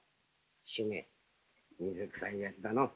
主馬水くさいやつだのう。